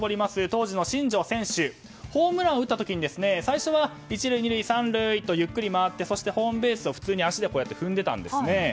当時の新庄選手ホームランを打った時に最初は１塁２塁３塁とゆっくり回ってそして、ホームベースを足で踏んでいたんですね。